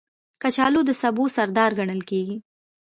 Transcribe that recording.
کچالو د سبو سردار ګڼل کېږي